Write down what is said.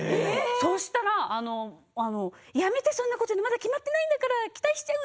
そうしたらやめて、そんなこと言うの決まっていないんだから期待しちゃう。